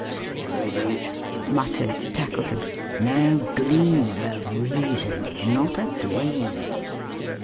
"Poor Idiot!" muttered Tackleton. "No gleam of reason. Not a gleam!"